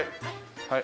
はい。